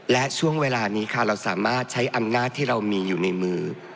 และช่วงเวลานี้ค่ะเราสามารถใช้อำนาจที่เรามีอยู่ในมือ